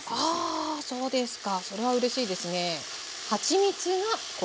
あそうですか。それはうれしいですね。